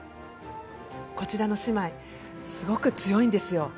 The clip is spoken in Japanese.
こちらの姉妹すごく強いんですよ。